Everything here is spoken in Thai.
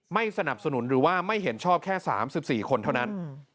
ไม่สนับสนุนหรือว่าไม่เห็นชอบแค่๓๔คนเท่านั้น